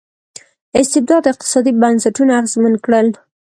استبداد اقتصادي بنسټونه اغېزمن کړل.